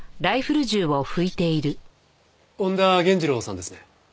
恩田源次郎さんですね？